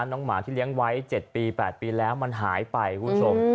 หมาที่เลี้ยงไว้๗ปี๘ปีแล้วมันหายไปคุณผู้ชม